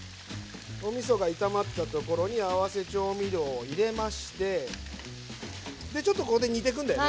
炒まったところに合わせ調味料を入れましてちょっとここで煮てくんだよね。